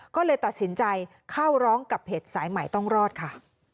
ก็เลยตัดสินใจเข้าร้องกับเพจสายใหม่ต้องรอดค่ะ